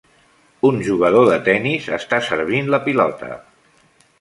Un jugador de tenis està servint la pilota.